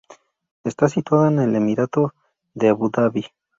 Está situada en el emirato de Abu Dhabi.